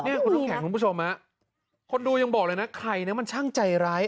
ก็ไม่มีนะนี่คุณแข่งคุณผู้ชมนะคนดูยังบอกใครนี่มันช่างใจร้าย